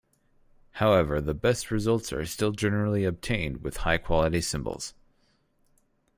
However the best results are still generally obtained with high quality cymbals.